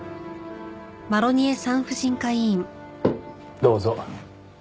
どうぞ。